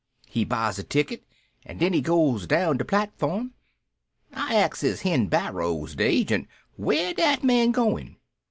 He buys a ticket, an' den he goes down de patform. I axes Hen Barrows, de agent, where dat man goin'.